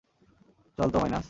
চল তো, মাইনাস।